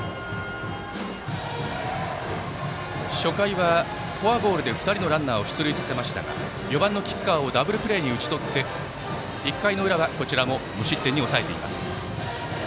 初回は、フォアボールで２人のランナーを出塁させましたが４番の吉川をダブルプレーに打ち取って１回の裏はこちらも無失点に抑えています。